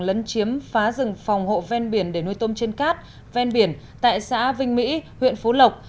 lấn chiếm phá rừng phòng hộ ven biển để nuôi tôm trên cát ven biển tại xã vinh mỹ huyện phú lộc